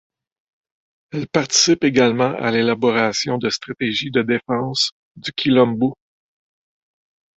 Elle participe également à l'élaboration de stratégies de défense du quilombo.